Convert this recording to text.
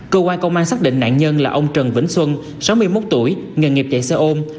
cơ quan công an xác định nạn nhân là ông trần vĩnh xuân sáu mươi một tuổi nghề nghiệp chạy xe ôm